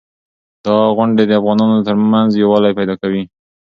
دا غونډې د افغانانو ترمنځ یووالی پیدا کوي.